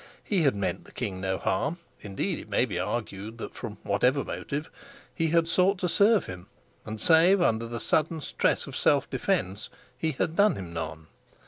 He had meant the king no harm indeed it may be argued that, from whatever motive, he had sought to serve him and save under the sudden stress of self defense he had done him none.